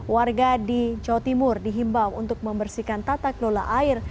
warga di jawa timur dihimbau untuk membersihkan tata kelola air